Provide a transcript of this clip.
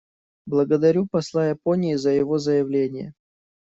Благодарю посла Японии за его заявление.